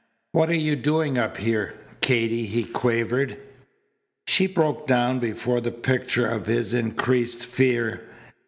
"What are you doing up here, Katy?" he quavered. She broke down before the picture of his increased fear.